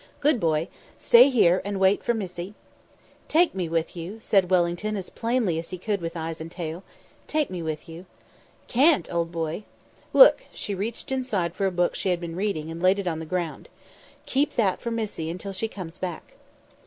Good boy; stay here and wait for Missie." "Take me with you," said Wellington, as plainly as he could with eyes and tail. "Take me with you." "Can't, old boy. Look" she reached inside for a book she had been reading, and laid it on the ground. "Keep that for Missie until she comes back."